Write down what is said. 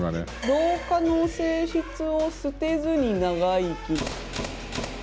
老化の性質を捨てずに長生き。